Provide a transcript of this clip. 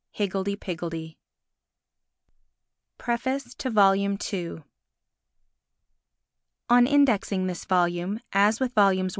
XIV Higgledy Piggledy Preface to Vol. II ON indexing this volume, as with Vols.